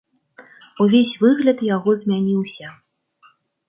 Увесь выгляд яго змяніўся.